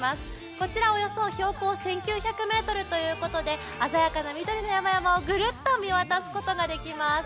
こちらおよそ標高１９００ｍということで鮮やかな緑の山々をぐるっと見渡すことができます。